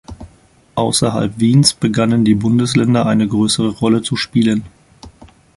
Außerhalb Wiens begannen die Bundesländer eine größere Rolle zu spielen.